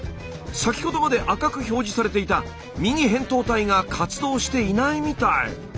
先ほどまで赤く表示されていた右へんとう体が活動していないみたい。